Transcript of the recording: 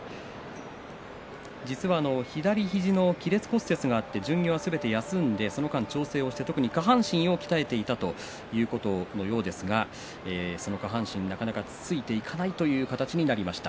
左肘の亀裂骨折があって巡業はすべて休んでその間に調整をして特に下半身を鍛えていたということですがその下半身、なかなかついていかないという形になりました。